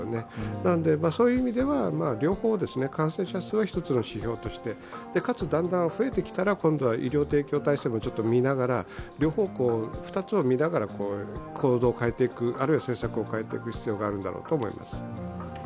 なのでそういう意味では両方、感染者数は一つの指標としてかつ、だんだん増えてきたら今度は医療提供体制も見ながら両方、２つを見ながら行動を変えていくあるいは政策を変えていく必要があると思います。